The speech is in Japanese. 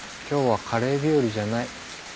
今日はカレー日和じゃない。